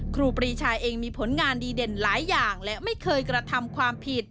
ครูปรีชาเองมีผลงานดีเด่นหลายอย่างและไม่เคยกระทำความผิด